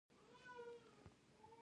موږ نورو خامو موادو ته اړتیا لرو